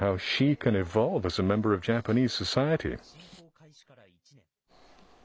侵攻開始から１年。